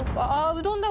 うどんだ。